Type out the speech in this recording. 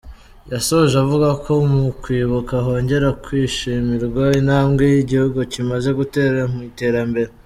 Yasoje avuga ko mu kwibuka hongera kwishimirwa intambwe igihugu kimaze gutera mu iterambere.